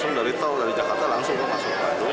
soalnya nanti kan langsung dari jakarta langsung masuk